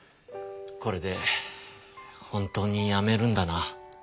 これで本当にやめるんだな。